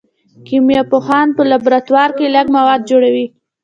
کیمیا پوهان په لابراتوار کې لږ مواد جوړوي.